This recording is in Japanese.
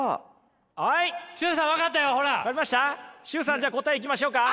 崇さんじゃあ答えいきましょうか？